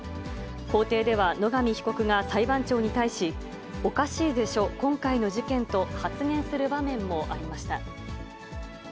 法廷では野上被告が裁判長に対し、おかしいでしょ、今回の事件と発言する場面もありました。